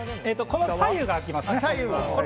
この左右が開きます。